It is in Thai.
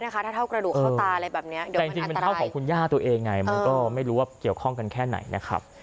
ขอบคุณย่าตัวเองไงมันก็ไม่รู้ว่าเกี่ยวข้องกันแค่ไหนนะครับ